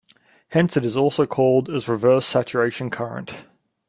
Hence it is also called as reverse saturation current.